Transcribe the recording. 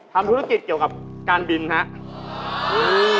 ทำธุรกิจเกี่ยวกับการบินครับ